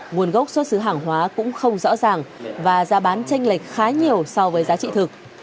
nguồn gốc xuất xứ hàng hóa cũng không rõ ràng và giá bán tranh lệch khá nhiều so với giá trị thực